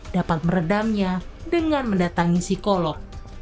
dapat meredamnya dengan mendatangi psikolog